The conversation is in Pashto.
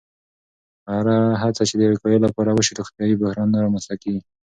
هره هڅه چې د وقایې لپاره وشي، روغتیایي بحران نه رامنځته کېږي.